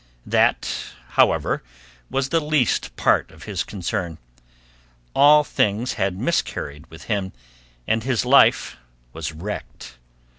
That, however, was the least part of his concern. All things had miscarried with him and his life was wrecked.